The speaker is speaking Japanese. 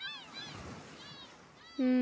うん。